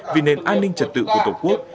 vì nền an ninh trật tự của tổ quốc